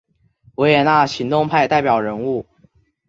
维也纳行动派代表人物。